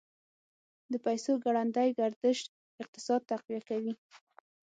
د پیسو ګړندی گردش اقتصاد تقویه کوي.